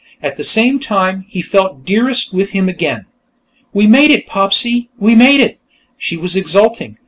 At the same time, he felt Dearest with him again. "We made it, Popsy! We made it!" she was exulting.